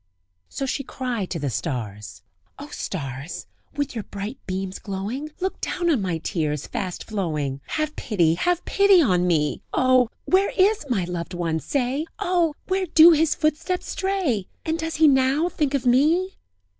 So she cried to the stars: "O stars! with your bright beams glowing! Look down on my tears fast flowing! Have pity, have pity on me! Oh! where is my loved one? say! Oh! where do his footsteps stray? And does he now think of me?"